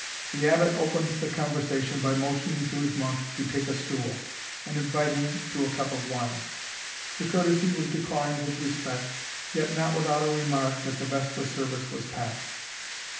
The Abbot opened the conversation by motioning to his monk to take a stool, and inviting to a cup of wine. The courtesy was declined with respect, yet not without a remark, that the vesper service was past.